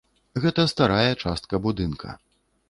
Гэта старая частка будынка.